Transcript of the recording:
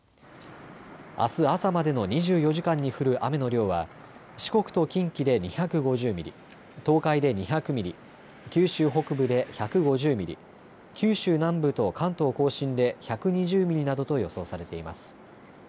あす朝までの２４時間に降る雨の量は、四国と近畿で２５０ミリ、東海で２００ミリ、九州北部で１５０ミリ、九州南部と関東甲信で１２０ミリなどと予想されています。